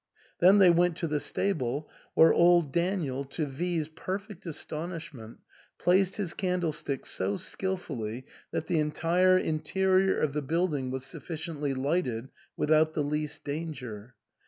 Then they went to the stable, where old Daniel, to V *s perfect astonishment, placed his candlestick so skilfully that the entire interior of the building was sufficiently lighted without the least danger.